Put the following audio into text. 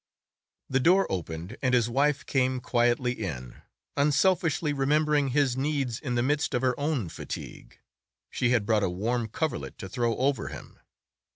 The door opened and his wife came quietly in, unselfishly remembering his needs in the midst of her own fatigue; she had brought a warm coverlet to throw over him.